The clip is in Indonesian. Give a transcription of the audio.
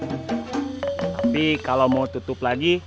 tapi kalau mau tutup lagi